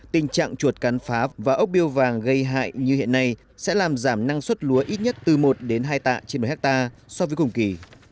tình trạng chuột cắn phá và ốc biêu vàng gây hại như hiện nay sẽ làm giảm năng suất lúa ít nhất từ một đến hai tạ trên một hectare so với cùng kỳ